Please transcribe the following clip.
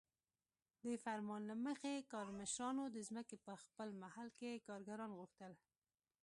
د فرمان له مخې کارمشرانو د ځمکې په خپل محل کې کارګران غوښتل.